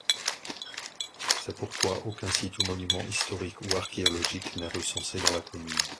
C’est pourquoi aucun site ou monument historique ou archéologique n’est recensé dans la commune.